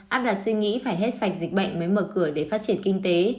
áp đặt suy nghĩ phải hết sạch dịch bệnh mới mở cửa để phát triển kinh tế